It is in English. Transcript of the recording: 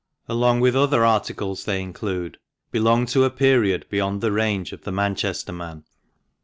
471 along with other articles they include, belong to a period beyond the range of '' The Manchester Man."